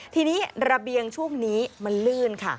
ทีนี้ระเบียงช่วงนี้มันลื่นค่ะ